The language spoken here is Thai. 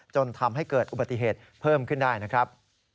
จนทำให้เกิดอุบัติเหตุเพิ่มขึ้นได้นะครับ